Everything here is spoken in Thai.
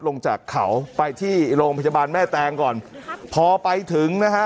ลงจากเขาไปที่โรงพยาบาลแม่แตงก่อนพอไปถึงนะฮะ